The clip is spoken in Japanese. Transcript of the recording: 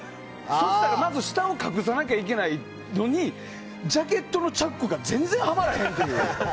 そうしたら下を隠さないといけないのにジャケットのチャックが全然はまらへんっていう。